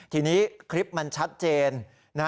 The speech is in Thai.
ทีนี้คลิปมันชัดเจน